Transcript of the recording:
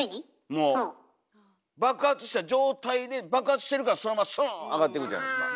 もう。爆発した状態で爆発してるからそのままスーン上がっていくんじゃないですか？